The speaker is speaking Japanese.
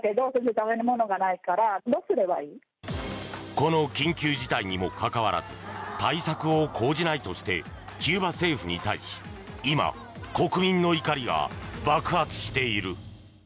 この緊急事態にもかかわらず対策を講じないとしてキューバ政府に対し今、国民の怒りが爆発している。